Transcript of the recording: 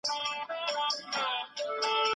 هر بزګر غواړي چې زعفران وکري.